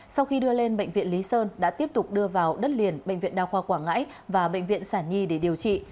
sau khi đưa lên bệnh viện lý sơn đã tiếp tục đưa vào đất liền bệnh viện đa khoa quảng ngãi và bệnh viện sản nhi để điều trị